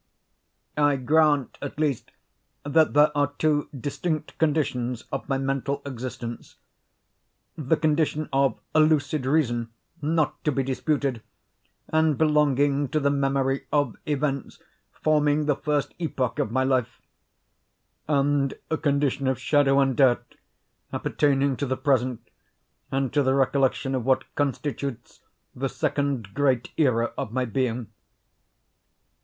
I grant, at least, that there are two distinct conditions of my mental existence—the condition of a lucid reason, not to be disputed, and belonging to the memory of events forming the first epoch of my life—and a condition of shadow and doubt, appertaining to the present, and to the recollection of what constitutes the second great era of my being.